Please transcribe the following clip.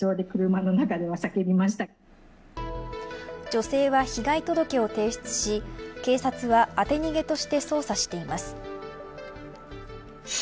女性は被害届を提出し警察は、当て逃げとして捜査しています。